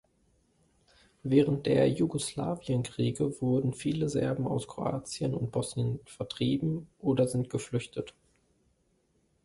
Während der Jugoslawienkriege wurden viele Serben aus Kroatien und Bosnien vertrieben oder sind geflüchtet.